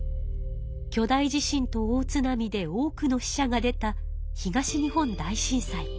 巨大地震と大津波で多くの死者が出た東日本大震災。